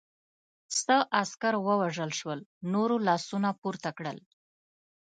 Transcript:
څه عسکر ووژل شول، نورو لاسونه پورته کړل.